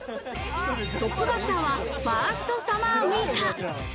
トップバッターはファーストサマーウイカ。